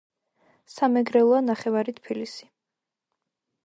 სამეგრელოა ნახევარი თბილისი